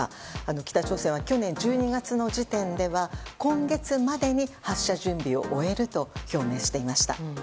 北朝鮮は去年１２月の時点では今月までに発射準備を終えると表明していました。